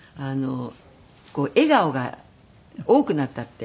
笑顔が多くなったって。